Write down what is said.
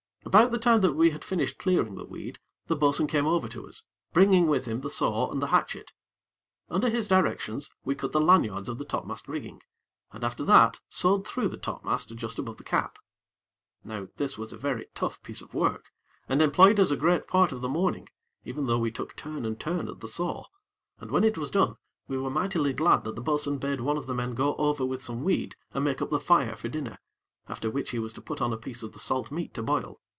About the time that we had finished clearing the weed, the bo'sun came over to us, bringing with him the saw and the hatchet. Under his directions, we cut the lanyards of the topmast rigging, and after that sawed through the topmast just above the cap. Now this was a very tough piece of work, and employed us a great part of the morning, even though we took turn and turn at the saw, and when it was done we were mightily glad that the bo'sun bade one of the men go over with some weed and make up the fire for dinner, after which he was to put on a piece of the salt meat to boil.